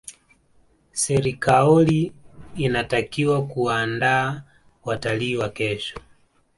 serikaoli inatakiwa kuwaandaa watalii wa kesho